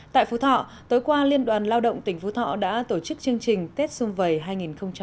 tại phú thọ tối qua liên đoàn lao động tỉnh phú thọ đã tổ chức chương trình tết xung vầy hai nghìn một mươi bảy